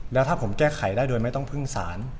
แล้วถ้าผมแก้ไขได้โดยไม่ต้องพึ่งสาร